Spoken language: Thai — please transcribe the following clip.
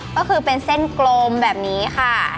ก็คือเป็นเส้นกลมแบบนี้ค่ะ